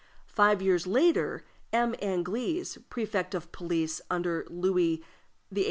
Five years later, M. Anglis, Prefect of Police under Louis XVIII.